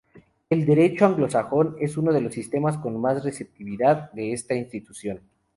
El derecho anglosajón es uno de los sistemas con más receptividad de esta institución.